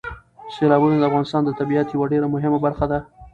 سیلابونه د افغانستان د طبیعت یوه ډېره مهمه برخه ده.